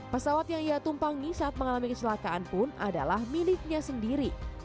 pesawat yang ia tumpangi saat mengalami keselakaan pun adalah miliknya sendiri